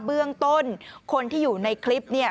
เบื้องต้นคนที่อยู่ในคลิปเนี่ย